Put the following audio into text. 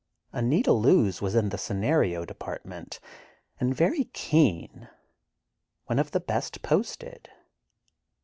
Anita Loos was in the scenario department, and very keen, one of the best posted.